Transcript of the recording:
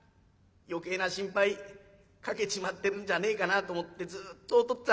余計な心配かけちまってるんじゃねえかなと思ってずっとお父